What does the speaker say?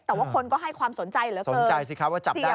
แต่ว่าคนก็ให้ความสนใจเหลือเกินสนใจสิคะว่าจับได้